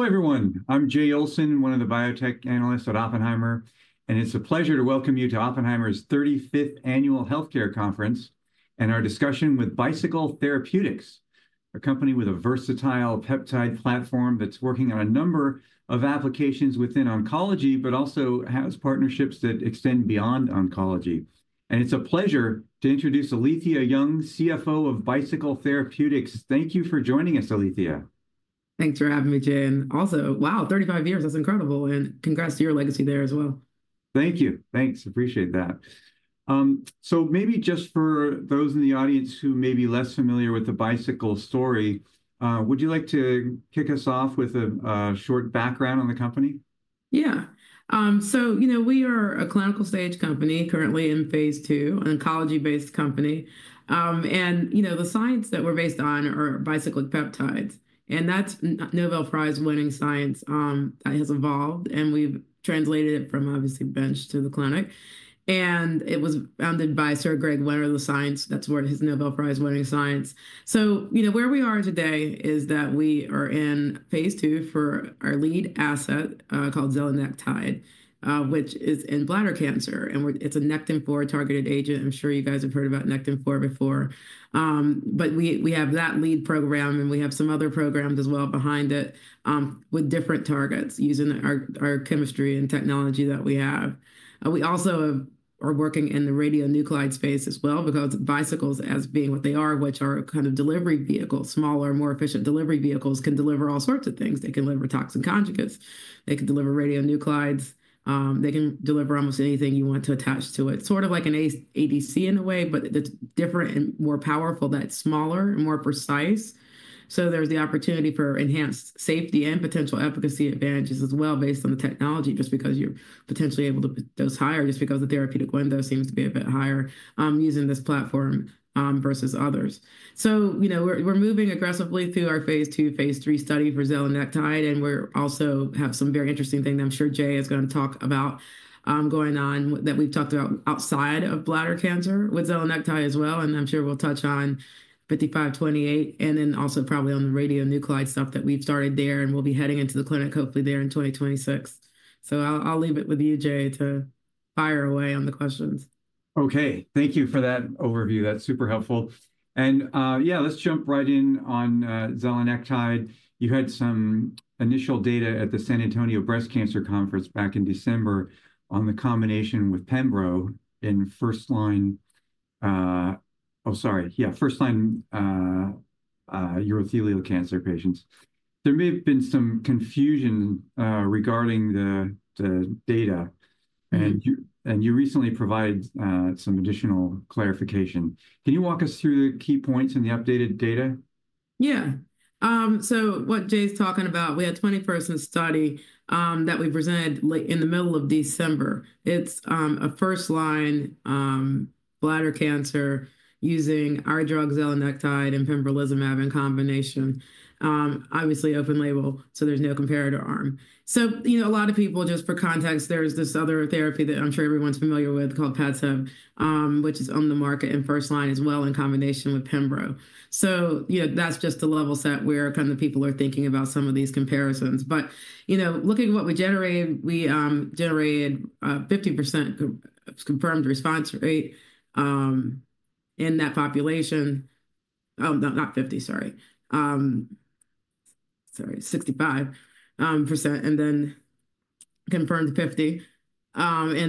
Hello, everyone. I'm Jay Olson, one of the biotech analysts at Oppenheimer, and it's a pleasure to welcome you to Oppenheimer's 35th Annual Healthcare Conference and our discussion with Bicycle Therapeutics, a company with a versatile peptide platform that's working on a number of applications within oncology, but also has partnerships that extend beyond oncology, and it's a pleasure to introduce Alethia Young, CFO of Bicycle Therapeutics. Thank you for joining us, Alethia. Thanks for having me, Jay and also, wow, 35 years, that's incredible and congrats to your legacy there as well. Thank you. Thanks. Appreciate that. So maybe just for those in the audience who may be less familiar with the Bicycle story, would you like to kick us off with a short background on the company? Yeah. So, you know, we are a clinical stage company, currently in Phase 2, an oncology-based company. And, you know, the science that we're based on are bicyclic peptides. And that's Nobel Prize-winning science that has evolved, and we've translated it from, obviously, bench to the clinic and it was founded by Sir Greg Winter of the science. That's where his Nobel Prize-winning science. So, you know, where we are today is that we are in Phase 2 for our lead asset called Zelenectide, which is in bladder cancer. And it's a Nectin-4 targeted agent. I'm sure you guys have heard about Nectin-4 before. But we have that lead program, and we have some other programs as well behind it with different targets using our chemistry and technology that we have. We also are working in the radionuclide space as well because Bicycles, as being what they are, which are kind of delivery vehicles, smaller, more efficient delivery vehicles, can deliver all sorts of things. They can deliver toxin conjugates. They can deliver radionuclides. They can deliver almost anything you want to attach to it. Sort of like an ADC in a way, but it's different and more powerful. That's smaller and more precise. So there's the opportunity for enhanced safety and potential efficacy advantages as well based on the technology, just because you're potentially able to put those higher, just because the therapeutic window seems to be a bit higher using this platform versus others. You know, we're moving aggressively through our Phase 2, Phase 3 study for Zelenectide, and we also have some very interesting things I'm sure Jay is going to talk about going on that we've talked about outside of bladder cancer with Zelenectide as well. I'm sure we'll touch on 5528 and then also probably on the radionuclide stuff that we've started there, and we'll be heading into the clinic hopefully there in 2026. I'll leave it with you, Jay, to fire away on the questions. Okay. Thank you for that overview. That's super helpful. And yeah, let's jump right in on Zelenectide. You had some initial data at the San Antonio Breast Cancer Conference back in December on the combination with Pembro in first-line, oh, sorry. Yeah, first-line urothelial cancer patients. There may have been some confusion regarding the data, and you recently provided some additional clarification. Can you walk us through the key points in the updated data? Yeah. So what Jay's talking about, we had a 20-person study that we presented in the middle of December. It's a first-line bladder cancer using our drug, Zelenectide, and Pembrolizumab in combination. Obviously, open label, so there's no comparator arm. So, you know, a lot of people, just for context, there's this other therapy that I'm sure everyone's familiar with called Padcev, which is on the market in first-line as well in combination with Pembro. So, you know, that's just the level set where kind of people are thinking about some of these comparisons. But, you know, looking at what we generated, we generated a 50% confirmed response rate in that population. Oh, not 50, sorry. Sorry, 65%, and then confirmed 50 in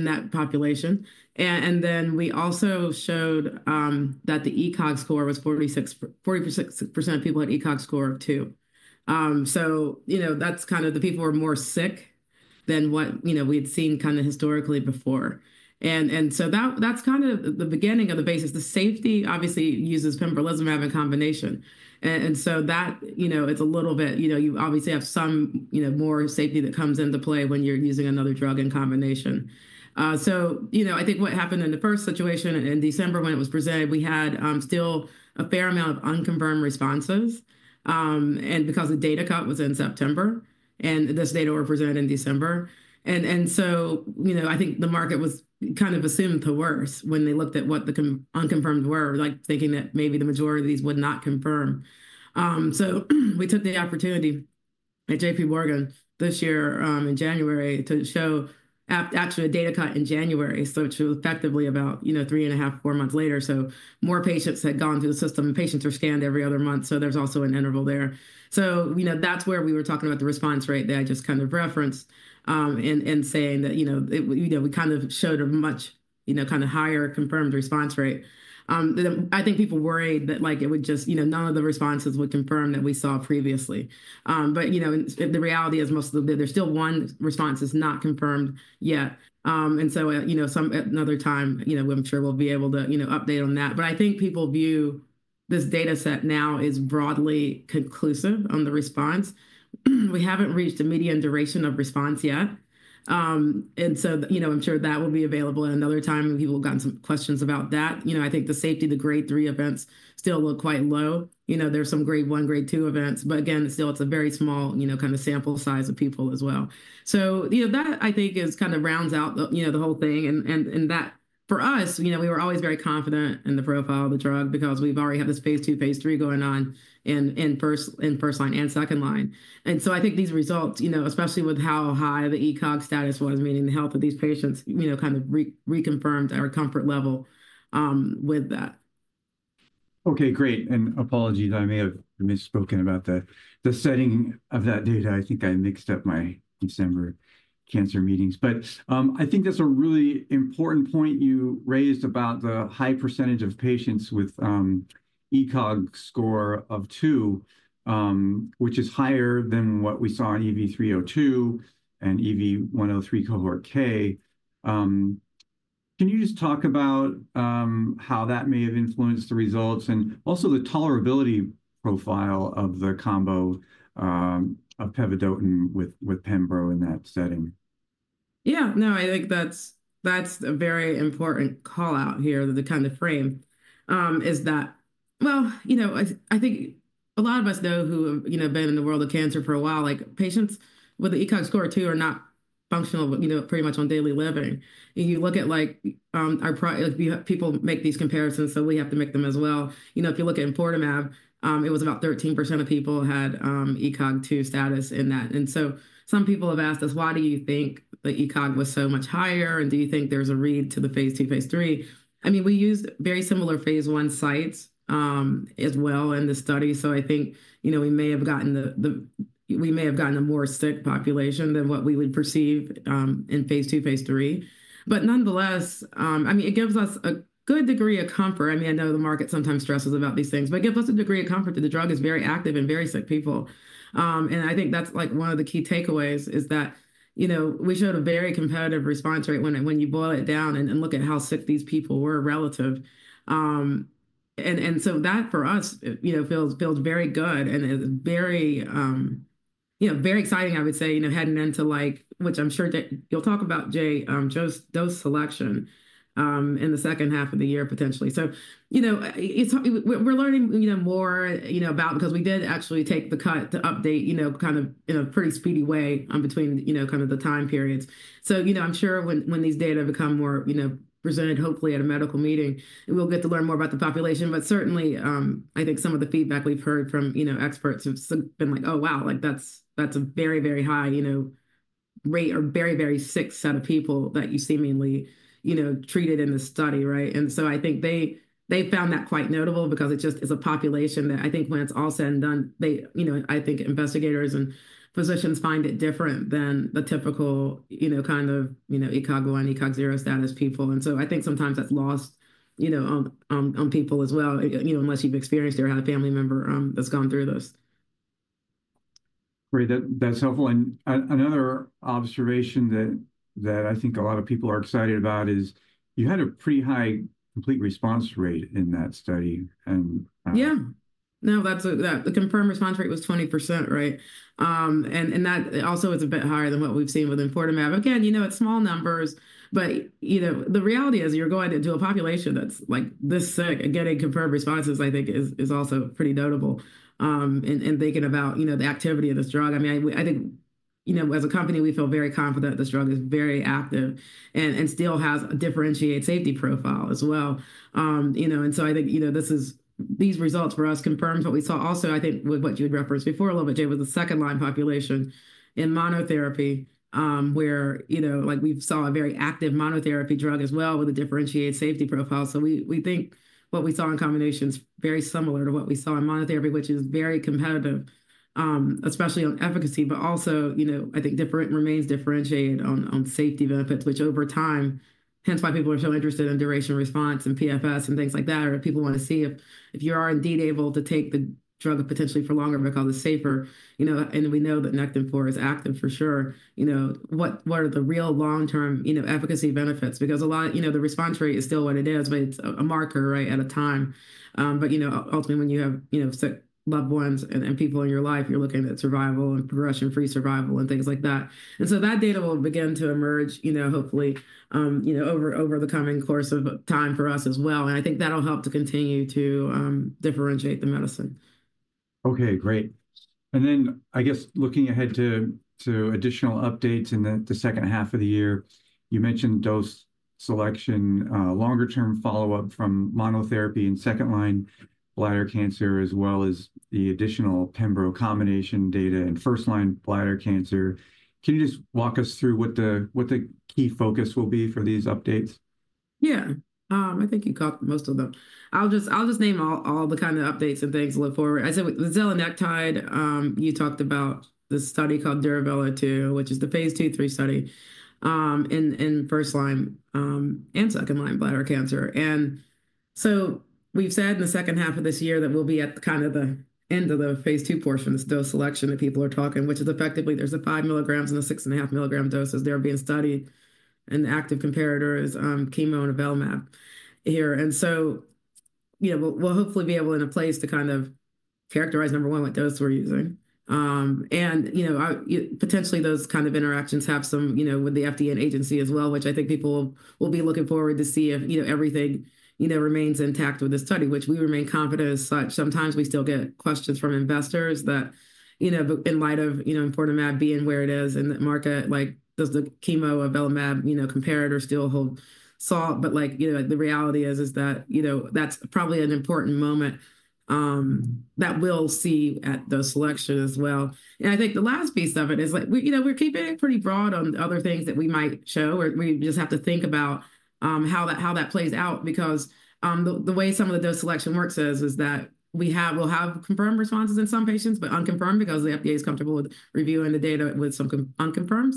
that population. And then we also showed that the ECOG score was 46%, 40% of people had ECOG score of two. You know, that's kind of the people who are more sick than what, you know, we had seen kind of historically before. That's kind of the beginning of the basis. The safety, obviously, uses Pembrolizumab in combination. That, you know, it's a little bit, you know, you obviously have some, you know, more safety that comes into play when you're using another drug in combination. You know, I think what happened in the first situation in December when it was presented, we had still a fair amount of unconfirmed responses. Because the data cut was in September, and this data were presented in December. You know, I think the market was kind of assumed the worst when they looked at what the unconfirmed were, like thinking that maybe the majority of these would not confirm. So we took the opportunity at JPMorgan this year in January to show actually a data cut in January, so it's effectively about, you know, three and a half, four months later. So more patients had gone through the system, and patients are scanned every other month, so there's also an interval there. So, you know, that's where we were talking about the response rate that I just kind of referenced and saying that, you know, we kind of showed a much, you know, kind of higher confirmed response rate. I think people worried that, like, it would just, you know, none of the responses would confirm that we saw previously. But, you know, the reality is most of the, there's still one response that's not confirmed yet. And so, you know, sometime, you know, I'm sure we'll be able to, you know, update on that. But I think people view this data set now as broadly conclusive on the response. We haven't reached a median duration of response yet. And so, you know, I'm sure that will be available at another time. People have gotten some questions about that. You know, I think the safety, the Grade 3 events still look quite low. You know, there's some Grade 1, Grade 2 events, but again, still it's a very small, you know, kind of sample size of people as well. So, you know, that I think kind of rounds out the, you know, the whole thing. And that for us, you know, we were always very confident in the profile of the drug because we've already had this Phase 2, Phase 3 going on in first-line and second-line and so I think these results, you know, especially with how high the ECOG status was, meaning the health of these patients, you know, kind of reconfirmed our comfort level with that. Okay, great. And apologies, I may have misspoken about that. The setting of that data, I think I mixed up my December cancer meetings. But I think that's a really important point you raised about the high percentage of patients with ECOG score of two, which is higher than what we saw in EV-302 and EV-103 Cohort K. Can you just talk about how that may have influenced the results and also the tolerability profile of the combo of Padcev with Pembro in that setting? Yeah, no, I think that's a very important call out here. The kind of frame is that, well, you know, I think a lot of us know, you know, have been in the world of cancer for a while, like patients with an ECOG score of two are not functional, you know, pretty much on daily living. You look at, like, our. People make these comparisons, so we have to make them as well. You know, if you look at Avelumab, it was about 13% of people had ECOG two status in that. And so some people have asked us, why do you think the ECOG was so much higher? And do you think there's a read to the Phase 2, Phase 3? I mean, we used very similar Phase 1 sites as well in the study. So I think, you know, we may have gotten a more sick population than what we would perceive in Phase 2, Phase 3. But nonetheless, I mean, it gives us a good degree of comfort. I mean, I know the market sometimes stresses about these things, but it gives us a degree of comfort that the drug is very active in very sick people. And I think that's like one of the key takeaways is that, you know, we showed a very competitive response rate when you boil it down and look at how sick these people were relative. And so that for us, you know, feels very good and is very, you know, very exciting, I would say, you know, heading into like, which I'm sure that you'll talk about, Jay, those selections in the second half of the year potentially. So, you know, we're learning, you know, more, you know, about because we did actually take the cutoff to update, you know, kind of in a pretty speedy way between, you know, kind of the time periods. So, you know, I'm sure when these data become more, you know, presented, hopefully at a medical meeting, we'll get to learn more about the population. But certainly, I think some of the feedback we've heard from, you know, experts have been like, oh, wow, like that's a very, very high, you know, rate or very, very sick set of people that you seemingly, you know, treated in the study, right? I think they found that quite notable because it just is a population that I think when it's all said and done, they, you know, I think investigators and physicians find it different than the typical, you know, kind of, you know, ECOG one and ECOG zero status people. And so I think sometimes that's lost, you know, on people as well, you know, unless you've experienced or had a family member that's gone through this. Great. That's helpful. Another observation that I think a lot of people are excited about is you had a pretty high complete response rate in that study. Yeah. No, that's the confirmed response rate was 20%, right? And that also is a bit higher than what we've seen with Avelumab. Again, you know, it's small numbers, but, you know, the reality is you're going to a population that's like this sick and getting confirmed responses, I think, is also pretty notable. And thinking about, you know, the activity of this drug, I mean, I think, you know, as a company, we feel very confident this drug is very active and still has a differentiated safety profile as well. You know, and so I think, you know, this is these results for us confirms what we saw. Also, I think what you had referenced before a little bit, Jay, was the second-line population in monotherapy where, you know, like we saw a very active monotherapy drug as well with a differentiated safety profile. We think what we saw in combination is very similar to what we saw in monotherapy, which is very competitive, especially on efficacy, but also, you know, I think remains differentiated on safety benefits, which over time, hence why people are so interested in duration response and PFS and things like that, or if people want to see if you are indeed able to take the drug potentially for longer because it's safer, you know, and we know that Nectin-4 is active for sure, you know, what are the real long-term, you know, efficacy benefits? Because a lot, you know, the response rate is still what it is, but it's a marker, right, at a time. But, you know, ultimately when you have, you know, sick loved ones and people in your life, you're looking at survival and progression-free survival and things like that. So that data will begin to emerge, you know, hopefully, you know, over the coming course of time for us as well. I think that'll help to continue to differentiate the medicine. Okay, great. And then I guess looking ahead to additional updates in the second half of the year, you mentioned dose selection, longer-term follow-up from monotherapy in second line bladder cancer, as well as the additional Pembro combination data in first line bladder cancer. Can you just walk us through what the key focus will be for these updates? Yeah, I think you caught most of them. I'll just name all the kind of updates and things to look forward. I said with Zelenectide, you talked about the study called Duravelo-2, which is the Phase 2, 3 study in first line and second line bladder cancer. And so we've said in the second half of this year that we'll be at kind of the end of the Phase 2 portion, this dose selection that people are talking, which is effectively there's a five milligrams and a six and a half milligram dose as they're being studied. And the active comparator is chemo and Avelumab here. And so, you know, we'll hopefully be able in a place to kind of characterize, number one, what dose we're using. You know, potentially those kind of interactions have some, you know, with the FDA and agency as well, which I think people will be looking forward to see if, you know, everything, you know, remains intact with this study, which we remain confident as such. Sometimes we still get questions from investors that, you know, in light of, you know, Avelumab being where it is in the market, like does the chemo Avelumab, you know, comparator still hold water? But like, you know, the reality is that, you know, that's probably an important moment that we'll see at the inflection as well. I think the last piece of it is like, you know, we're keeping it pretty broad on other things that we might show or we just have to think about how that plays out because the way some of the dose selection works is that we will have confirmed responses in some patients, but unconfirmed because the FDA is comfortable with reviewing the data with some unconfirmed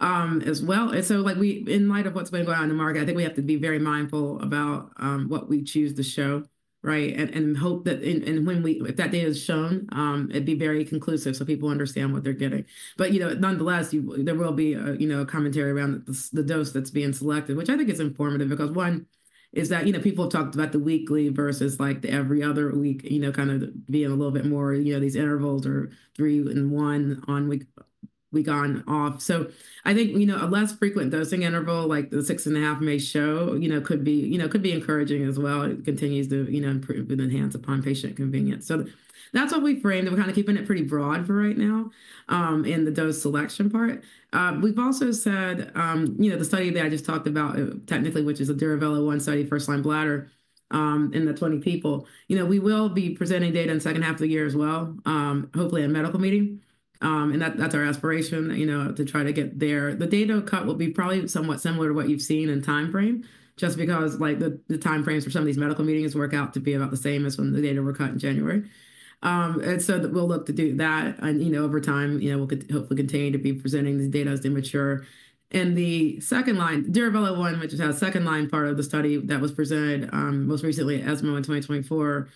as well. And so like we, in light of what's been going on in the market, I think we have to be very mindful about what we choose to show, right? And hope that when we, if that data is shown, it'd be very conclusive so people understand what they're getting. You know, nonetheless, there will be, you know, a commentary around the dose that's being selected, which I think is informative because one is that, you know, people have talked about the weekly versus like the every other week, you know, kind of being a little bit more, you know, these intervals or three and one on week on off. I think, you know, a less frequent dosing interval like the six and a half may show, you know, could be encouraging as well. It continues to, you know, improve and enhance upon patient convenience. That's what we framed. We're kind of keeping it pretty broad for right now in the dose selection part. We've also said, you know, the study that I just talked about technically, which is a Duravelo-1 study, first-line bladder in the 20 people, you know, we will be presenting data in the second half of the year as well, hopefully in a medical meeting, and that's our aspiration, you know, to try to get there. The data cut will be probably somewhat similar to what you've seen in the timeframe just because, like, the timeframes for some of these medical meetings work out to be about the same as when the data were cut in January, and so we'll look to do that, and, you know, over time, you know, we'll hopefully continue to be presenting the data as they mature. The second line, Duravelo-1, which is our second-line part of the study that was presented most recently at ESMO in 2024,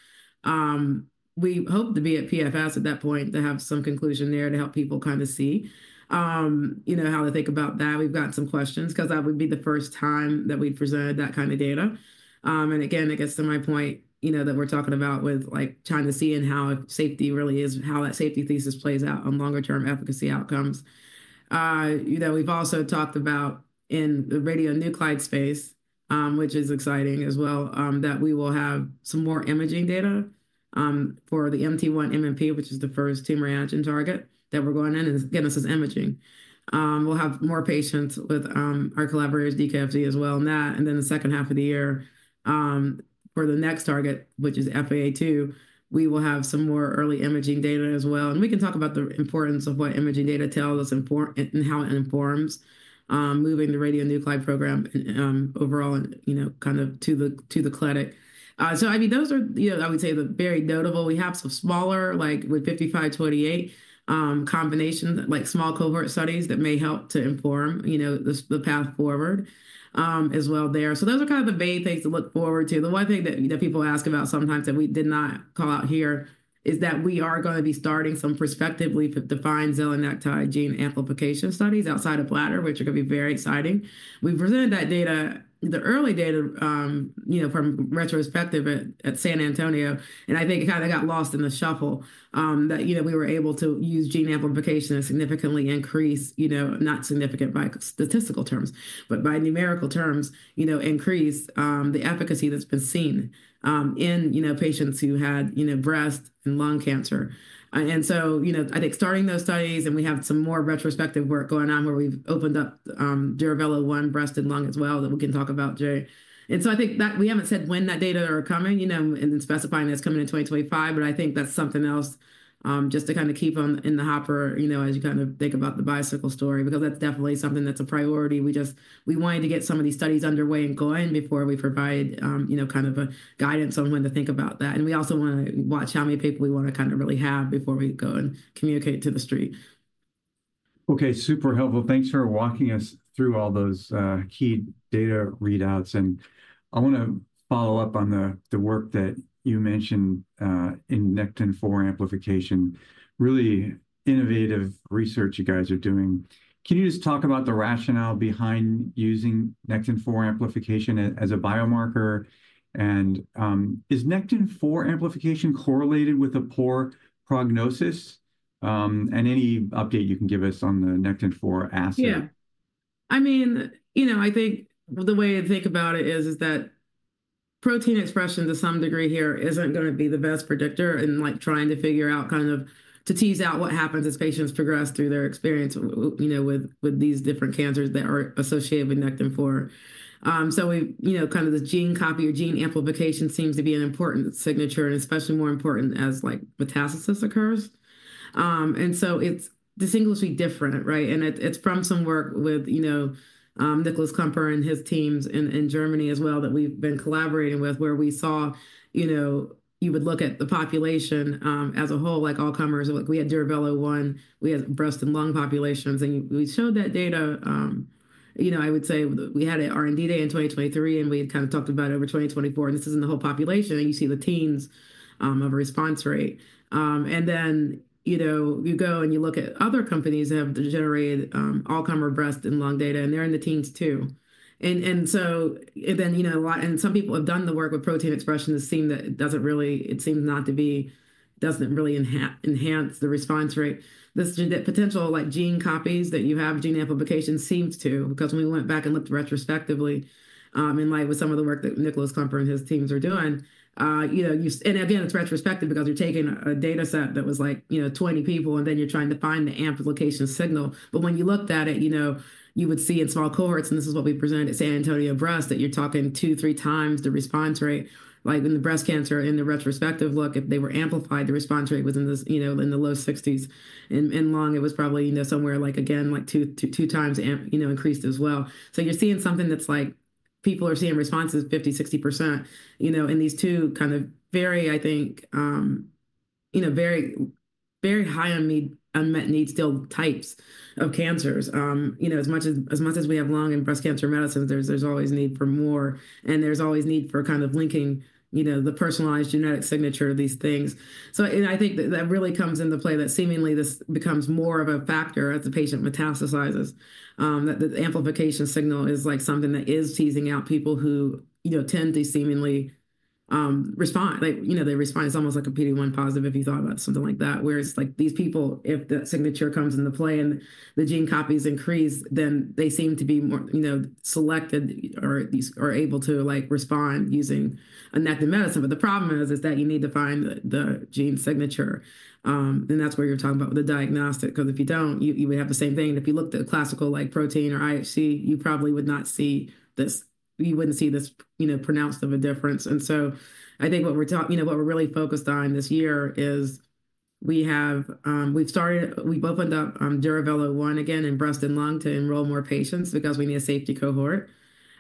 we hope to be at PFS at that point to have some conclusion there to help people kind of see, you know, how to think about that. We've gotten some questions because that would be the first time that we'd presented that kind of data. Again, I guess to my point, you know, that we're talking about with like trying to see in how safety really is, how that safety thesis plays out on longer-term efficacy outcomes. You know, we've also talked about in the radionuclide space, which is exciting as well, that we will have some more imaging data for the MT1-MMP, which is the first tumor antigen target that we're going in and getting images. We'll have more patients with our collaborators, DKFZ as well on that. And then the second half of the year for the next target, which is EphA2, we will have some more early imaging data as well. And we can talk about the importance of what imaging data tells us and how it informs moving the radionuclide program overall and, you know, kind of to the clinic. So I mean, those are, you know, I would say the very notable. We have some smaller, like with 5528 combinations, like small cohort studies that may help to inform, you know, the path forward as well there. So those are kind of the main things to look forward to. The one thing that people ask about sometimes that we did not call out here is that we are going to be starting some prospectively defined Zelenectide gene amplification studies outside of bladder, which are going to be very exciting. We presented that data, the early data, you know, from retrospective at San Antonio. And I think it kind of got lost in the shuffle that, you know, we were able to use gene amplification and significantly increase, you know, not significant by statistical terms, but by numerical terms, you know, increase the efficacy that's been seen in, you know, patients who had, you know, breast and lung cancer. And so, you know, I think starting those studies and we have some more retrospective work going on where we've opened up Duravelo-1 breast and lung as well that we can talk about, Jay. And so, I think that we haven't said when that data are coming, you know, and then specifying that's coming in 2025, but I think that's something else just to kind of keep on in the hopper, you know, as you kind of think about the Bicycle story because that's definitely something that's a priority. We just, we wanted to get some of these studies underway and going before we provide, you know, kind of a guidance on when to think about that. And we also want to watch how many people we want to kind of really have before we go and communicate to the street. Okay, super helpful. Thanks for walking us through all those key data readouts. And I want to follow up on the work that you mentioned in Nectin-4 amplification, really innovative research you guys are doing. Can you just talk about the rationale behind using Nectin-4 amplification as a biomarker? And is Nectin-4 amplification correlated with a poor prognosis? And any update you can give us on the Nectin-4 assay? Yeah. I mean, you know, I think the way I think about it is that protein expression to some degree here isn't going to be the best predictor in like trying to figure out kind of to tease out what happens as patients progress through their experience, you know, with these different cancers that are associated with Nectin-4. So we, you know, kind of the gene copy or gene amplification seems to be an important signature and especially more important as like metastasis occurs. And so it's distinguishably different, right? It's from some work with, you know, Niklas Klümper and his teams in Germany as well that we've been collaborating with where we saw, you know, you would look at the population as a whole, like all-comers, like we had Duravelo-1, we had breast and lung populations, and we showed that data, you know. I would say we had an R&D day in 2023 and we had kind of talked about it over 2024, and this is in the whole population. You see the teens of a response rate. Then, you know, you go and you look at other companies that have generated all-comers, breast and lung data, and they're in the teens too. And so then, you know, a lot and some people have done the work with protein expression to see that it doesn't really, it seems not to be, doesn't really enhance the response rate. The potential like gene copies that you have, gene amplification seems to, because when we went back and looked retrospectively in light of some of the work that Niklas Klümper and his teams are doing, you know, and again, it's retrospective because you're taking a data set that was like, you know, 20 people, and then you're trying to find the amplification signal. But when you looked at it, you know, you would see in small cohorts, and this is what we presented at San Antonio Breast, that you're talking two, three times the response rate. Like in the breast cancer in the retrospective look, if they were amplified, the response rate was in the, you know, in the low 60s. In lung, it was probably, you know, somewhere like again, like two times, you know, increased as well. So you're seeing something that's like people are seeing responses 50%-60%, you know, in these two kind of very, I think, you know, very, very high unmet need still types of cancers. You know, as much as we have lung and breast cancer medicines, there's always need for more. And there's always need for kind of linking, you know, the personalized genetic signature of these things. So I think that really comes into play that seemingly this becomes more of a factor as the patient metastasizes, that the amplification signal is like something that is teasing out people who, you know, tend to seemingly respond. Like, you know, their response is almost like a PD-1 positive if you thought about something like that, whereas like these people, if the signature comes into play and the gene copies increase, then they seem to be more, you know, selected or able to like respond using a Nectin medicine. But the problem is, is that you need to find the gene signature. And that's where you're talking about with the diagnostic, because if you don't, you would have the same thing. And if you looked at classical like protein or IHC, you probably would not see this. You wouldn't see this, you know, pronounced of a difference. And so I think what we're talking, you know, what we're really focused on this year is we've started, we've opened up Duravelo-1 again in breast and lung to enroll more patients because we need a safety cohort.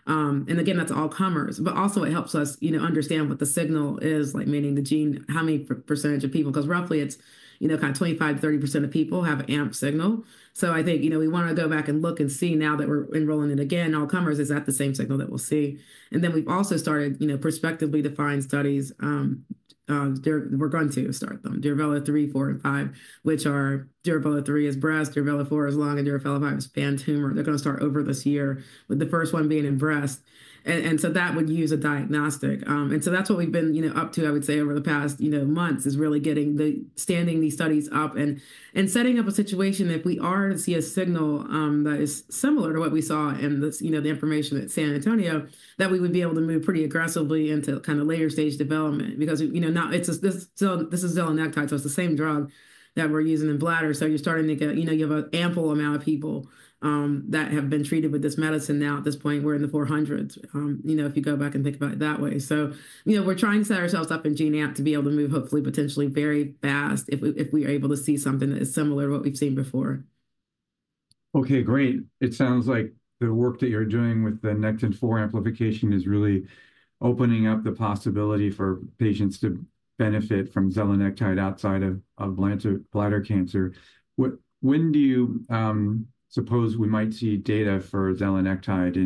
Again, that's all comers. But also it helps us, you know, understand what the signal is, like meaning the gene, how many percentage of people, because roughly it's, you know, kind of 25%-30% of people have amp signal, so I think, you know, we want to go back and look and see now that we're enrolling it again, all comers is at the same signal that we'll see, and then we've also started, you know, prospectively defined studies. We're going to start them, Duravelo-3, 4, and 5, which are Duravelo-3 is breast, Duravelo-4 is lung, and Duravelo-5 is pan-tumor. They're going to start over this year with the first one being in breast, and so that would use a diagnostic. So that's what we've been, you know, up to. I would say over the past, you know, months is really getting these studies standing up and setting up a situation if we are to see a signal that is similar to what we saw in the, you know, the information at San Antonio, that we would be able to move pretty aggressively into kind of later stage development because, you know, now it's still, this is Zelenectide, so it's the same drug that we're using in bladder. So you're starting to get, you know, you have an ample amount of people that have been treated with this medicine now at this point, we're in the 400s, you know, if you go back and think about it that way. You know, we're trying to set ourselves up in gene amp to be able to move hopefully potentially very fast if we are able to see something that is similar to what we've seen before. Okay, great. It sounds like the work that you're doing with the Nectin-4 amplification is really opening up the possibility for patients to benefit from Zelenectide outside of bladder cancer. When do you suppose we might see data for Zelenectide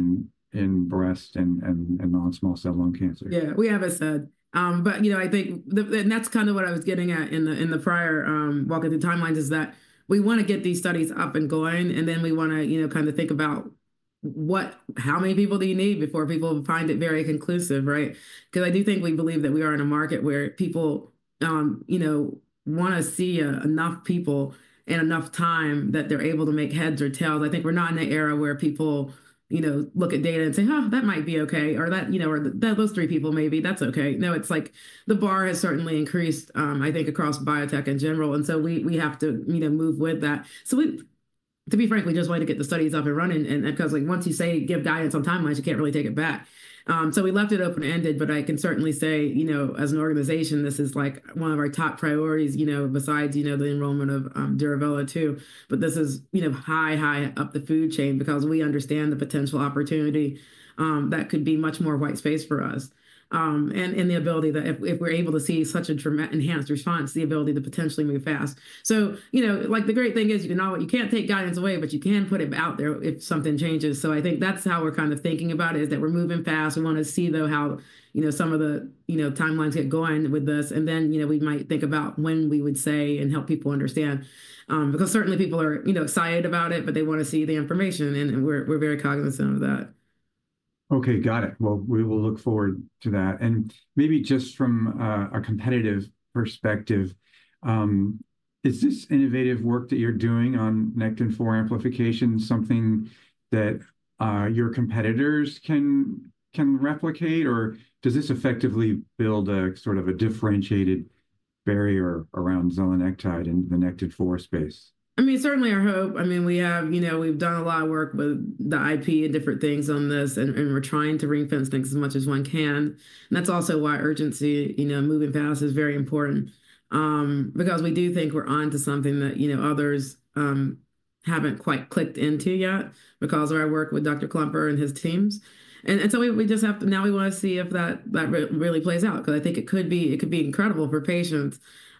in breast and non-small cell lung cancer? Yeah, we have a set. But, you know, I think, and that's kind of what I was getting at in the prior walking through timelines is that we want to get these studies up and going, and then we want to, you know, kind of think about what, how many people do you need before people find it very conclusive, right? Because I do think we believe that we are in a market where people, you know, want to see enough people and enough time that they're able to make heads or tails. I think we're not in an era where people, you know, look at data and say, "Oh, that might be okay," or that, you know, or those three people maybe, that's okay. No, it's like the bar has certainly increased, I think, across biotech in general, and so we have to, you know, move with that. So we, to be frankly, just wanted to get the studies up and running. And because like once you say give guidance on timelines, you can't really take it back. So we left it open-ended, but I can certainly say, you know, as an organization, this is like one of our top priorities, you know, besides, you know, the enrollment of Duravelo-2. But this is, you know, high, high up the food chain because we understand the potential opportunity that could be much more white space for us. And the ability that if we're able to see such a tremendous enhanced response, the ability to potentially move fast. So, you know, like the great thing is you can take guidance away, but you can put it out there if something changes. So I think that's how we're kind of thinking about it, is that we're moving fast. We want to see though how, you know, some of the, you know, timelines get going with this, and then, you know, we might think about when we would say and help people understand. Because certainly people are, you know, excited about it, but they want to see the information and we're very cognizant of that. Okay, got it. Well, we will look forward to that. And maybe just from a competitive perspective, is this innovative work that you're doing on Nectin-4 amplification something that your competitors can replicate, or does this effectively build a sort of a differentiated barrier around Zelenectide in the Nectin-4 space? I mean, certainly I hope. I mean, we have, you know, we've done a lot of work with the IP and different things on this, and we're trying to ring-fence things as much as one can, and that's also why urgency, you know, moving fast is very important. Because we do think we're onto something that, you know, others haven't quite clicked into yet because of our work with Dr. Klümper and his teams, and so we just have, now we want to see if that really plays out. Because I think it could be, it could be incredible for patients,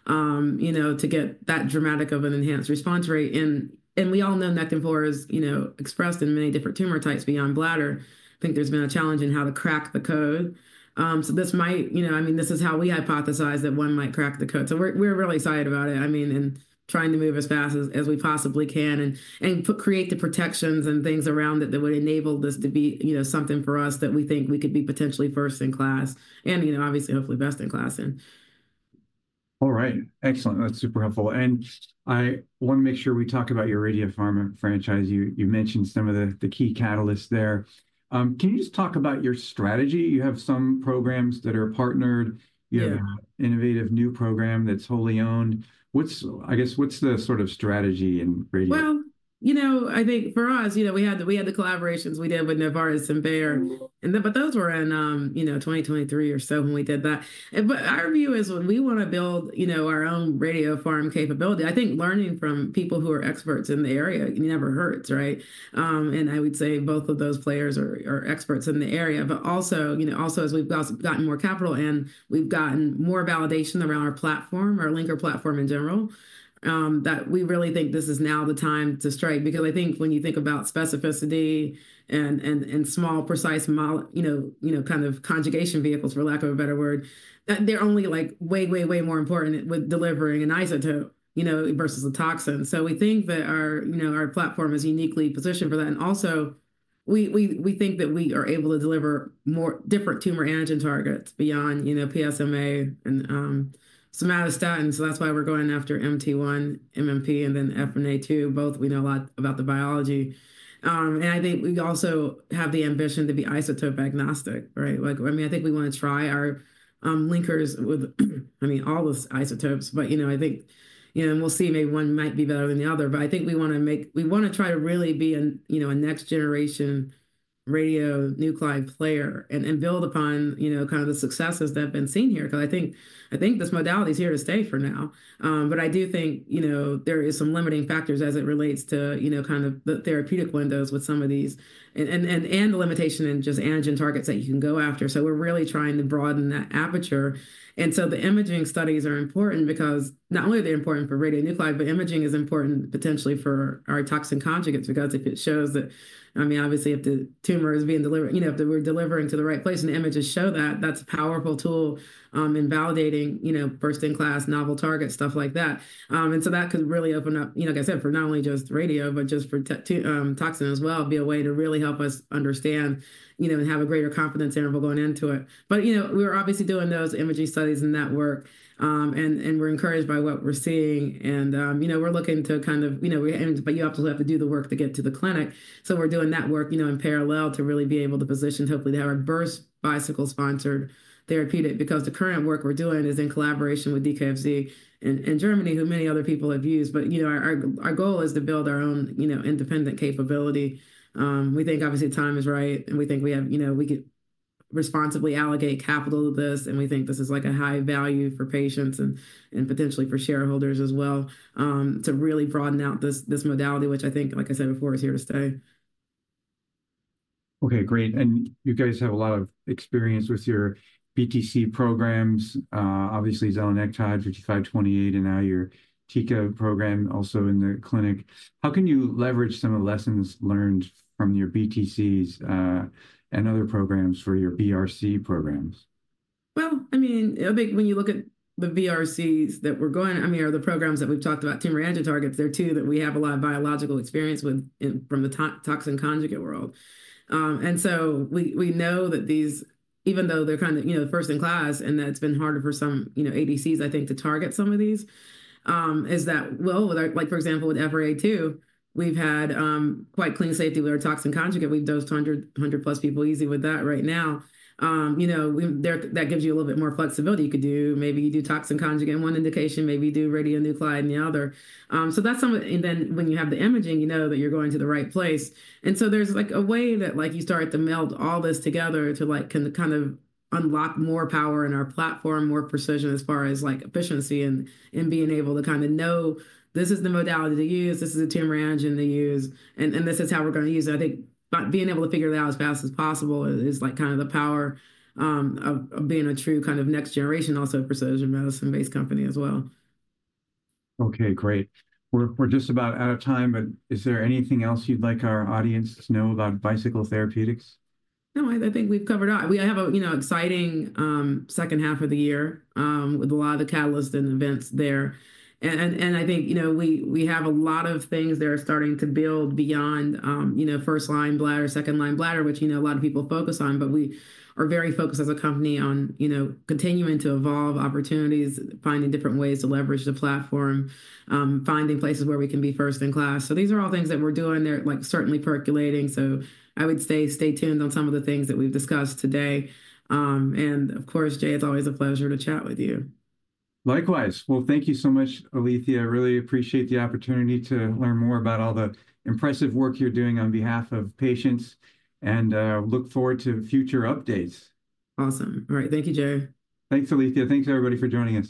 you know, to get that dramatic of an enhanced response rate, and we all know Nectin-4 is, you know, expressed in many different tumor types beyond bladder. I think there's been a challenge in how to crack the code. So this might, you know, I mean, this is how we hypothesize that one might crack the code, so we're really excited about it, I mean, and trying to move as fast as we possibly can and create the protections and things around it that would enable this to be, you know, something for us that we think we could be potentially first in class, and, you know, obviously, hopefully best in class. All right. Excellent. That's super helpful. And I want to make sure we talk about your radiopharma franchise. You mentioned some of the key catalysts there. Can you just talk about your strategy? You have some programs that are partnered. You have an innovative new program that's wholly owned. What's, I guess, what's the sort of strategy in radio? You know, I think for us, you know, we had the collaborations we did with Novartis and Bayer. But those were in, you know, 2023 or so when we did that. But our view is when we want to build, you know, our own radiopharm capability, I think learning from people who are experts in the area, it never hurts, right? And I would say both of those players are experts in the area. But also, you know, as we've gotten more capital and we've gotten more validation around our platform, our linker platform in general, that we really think this is now the time to strike. Because I think when you think about specificity and small, precise, you know, kind of conjugation vehicles, for lack of a better word, that they're only like way, way, way more important with delivering an isotope, you know, versus a toxin. So we think that our, you know, our platform is uniquely positioned for that. And also we think that we are able to deliver more different tumor antigen targets beyond, you know, PSMA and somatostatin. So that's why we're going after MT1-MMP, and then EphA2, both we know a lot about the biology. And I think we also have the ambition to be isotope agnostic, right? Like, I mean, I think we want to try our linkers with, I mean, all the isotopes. But, you know, I think, you know, and we'll see maybe one might be better than the other. But I think we want to make, we want to try to really be a, you know, a next generation radionuclide player and build upon, you know, kind of the successes that have been seen here. Because I think, I think this modality is here to stay for now. But I do think, you know, there are some limiting factors as it relates to, you know, kind of the therapeutic windows with some of these and the limitation and just antigen targets that you can go after. So we're really trying to broaden that aperture. And so the imaging studies are important because not only are they important for radionuclides, but imaging is important potentially for our toxin conjugates. Because if it shows that, I mean, obviously if the tumor is being delivered, you know, if we're delivering to the right place and images show that, that's a powerful tool in validating, you know, first-in-class novel targets, stuff like that. And so that could really open up, you know, like I said, for not only just radio, but just for toxin as well, be a way to really help us understand, you know, and have a greater confidence interval going into it. But, you know, we're obviously doing those imaging studies and that work. And we're encouraged by what we're seeing. And, you know, we're looking to kind of, you know, but you also have to do the work to get to the clinic. So we're doing that work, you know, in parallel to really be able to position, hopefully to have our first Bicycle-sponsored therapeutic. Because the current work we're doing is in collaboration with DKFZ in Germany, who many other people have used. But, you know, our goal is to build our own, you know, independent capability. We think obviously time is right. We think we have, you know, we could responsibly allocate capital to this. We think this is like a high value for patients and potentially for shareholders as well to really broaden out this modality, which I think, like I said before, is here to stay. Okay, great, and you guys have a lot of experience with your BTC programs, obviously Zelenectide, BT5528 and now your TiCA program also in the clinic. How can you leverage some of the lessons learned from your BTCs and other programs for your BRC programs? I mean, I think when you look at the BRCs that we're going, I mean, or the programs that we've talked about, tumor antigen targets, there are two that we have a lot of biological experience with from the toxin conjugate world. And so we know that these, even though they're kind of, you know, first in class and that it's been harder for some, you know, ADCs, I think, to target some of these, is that, well, like for example, with EphA2, we've had quite clean safety with our toxin conjugate. We've dosed 100+ people easy with that right now. You know, that gives you a little bit more flexibility. You could do, maybe you do toxin conjugate in one indication, maybe you do radionuclides in the other. So that's something. And then when you have the imaging, you know that you're going to the right place. And so there's like a way that like you start to meld all this together to like kind of unlock more power in our platform, more precision as far as like efficiency and being able to kind of know this is the modality to use, this is the tumor antigen to use, and this is how we're going to use it. I think being able to figure it out as fast as possible is like kind of the power of being a true kind of next generation also precision medicine-based company as well. Okay, great. We're just about out of time. But is there anything else you'd like our audience to know about Bicycle Therapeutics? No, I think we've covered all. We have a, you know, exciting second half of the year with a lot of the catalysts and events there, and I think, you know, we have a lot of things that are starting to build beyond, you know, first line bladder, second line bladder, which, you know, a lot of people focus on, but we are very focused as a company on, you know, continuing to evolve opportunities, finding different ways to leverage the platform, finding places where we can be first in class, so these are all things that we're doing, they're like certainly percolating, so I would say stay tuned on some of the things that we've discussed today, and of course, Jay, it's always a pleasure to chat with you. Likewise. Well, thank you so much, Alethia. I really appreciate the opportunity to learn more about all the impressive work you're doing on behalf of patients. And look forward to future updates. Awesome. All right. Thank you, Jay. Thanks, Alethia. Thanks to everybody for joining us.